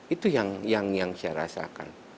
itu yang saya rasakan